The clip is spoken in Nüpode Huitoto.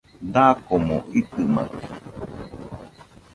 Dakomo itɨmakɨ